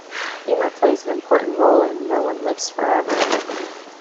Humor plays an important role in "No One Lives Forever".